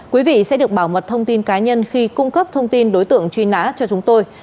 quý vị sẽ được bảo mật thông tin cá nhân khi cung cấp thông tin đối tượng truy nã cho chúng tôi